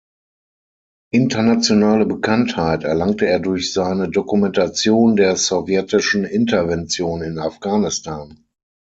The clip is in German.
Internationale Bekanntheit erlangte er durch seine Dokumentation der sowjetischen Intervention in Afghanistan.